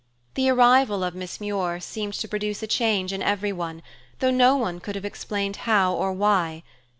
The arrival of Miss Muir seemed to produce a change in everyone, though no one could have explained how or why.